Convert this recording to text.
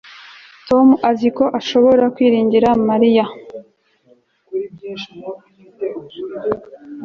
Tom azi ko ashobora kwiringira Mariya